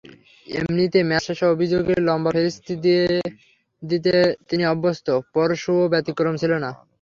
এমনিতে ম্যাচ শেষে অভিযোগের লম্বা ফিরিস্তি দিতে তিনি অভ্যস্ত, পরশুও ব্যতিক্রম ছিল না।